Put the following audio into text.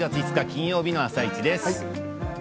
金曜日の「あさイチ」です。